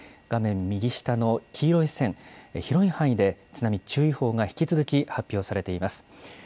画面右下の黄色い線、広い範囲で津波注意報が引き続き発表されています。